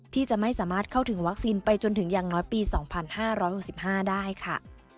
ที่จะไม่สามารถเข้าถึงวัคซีนไปจนถึงอย่างน้อยปี๒๕๖๕ได้ค่ะ